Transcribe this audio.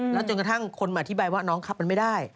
แล้วจนกระทั่งคนมาอธิบายว่าน้องขับมันไม่ได้